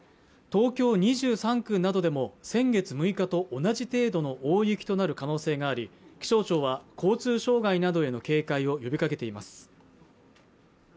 東京２３区などでも先月６日と同じ程度の大雪となる可能性があり気象庁は交通障害などへの警戒を呼びかけています